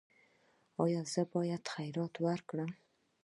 ایا زه باید خیرات ورکړم؟